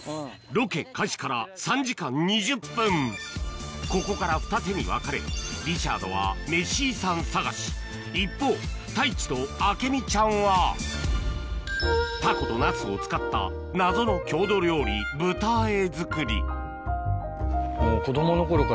ロケ開始から３時間２０分ここから二手に分かれリチャードはメシ遺産探し一方太一とあけみちゃんはタコとナスを使った謎の郷土料理ふん。